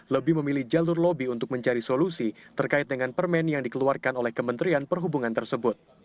lebih memilih jalur lobby untuk mencari solusi terkait dengan permen yang dikeluarkan oleh kementerian perhubungan tersebut